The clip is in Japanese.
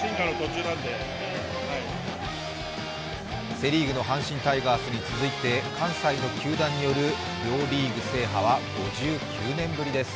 セ・リーグの阪神タイガースに続いて関西の球団による両リーグ制覇は５９年ぶりです。